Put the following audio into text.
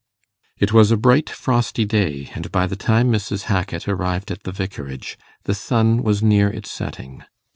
It was a bright frosty day, and by the time Mrs. Hackit arrived at the Vicarage, the sun was near its setting.